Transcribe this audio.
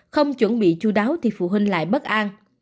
không chuẩn bị chú đáo thì phụ huynh lại bất an